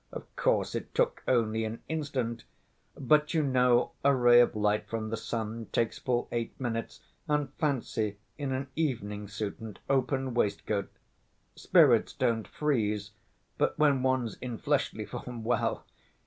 Of course, it took only an instant, but you know a ray of light from the sun takes full eight minutes, and fancy in an evening suit and open waistcoat. Spirits don't freeze, but when one's in fleshly form, well